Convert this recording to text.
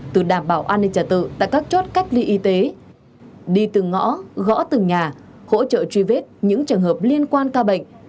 từ đảm bảo an ninh trả tự tại các chốt cách ly y tế đi từng ngõ gõ từng nhà hỗ trợ truy vết những trường hợp liên quan ca bệnh